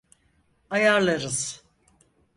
Ayarlarız.